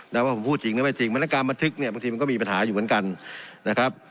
แน่นอนว่าผมพูดจริงก็ไม่จริงมันการมะทึกเนี่ยบางทีมันก็มีปัญหาอยู่เหมือนกัน